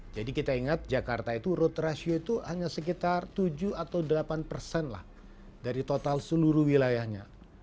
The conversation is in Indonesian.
jadi kita ingat jakarta itu road ratio itu hanya sekitar tujuh atau delapan persen lah dari total seluruh wilayahnya